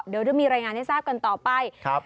เดี๋ยวจะมีรายงานให้ทราบกันต่อไปครับ